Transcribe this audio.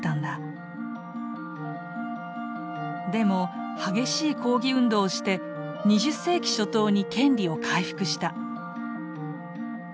でも激しい抗議運動をして２０世紀初頭に権利を回復した。